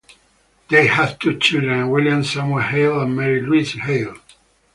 They had two children, William Samuel Hale and Mary Louise Hale.